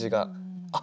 「あっ！